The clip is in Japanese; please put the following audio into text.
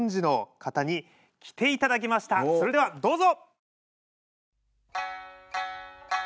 それではどうぞ！